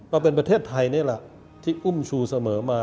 ประเทศไทยนี่แหละที่อุ้มชูเสมอมา